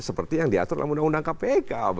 seperti yang diatur dalam undang undang kpk